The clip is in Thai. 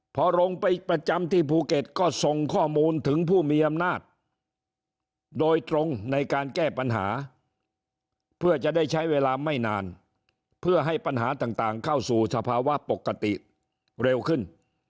พอลงไปประจำที่ภูเก็ตก็ส่งข้อมูลถึงผู้มีอำนาจโดยตรงในการแก้ปัญหาเพื่อจะได้ใช้เวลาไม่นานเพื่อให้ปัญหาต่างเข้าสู่สภาวะปกติเร็วขึ้น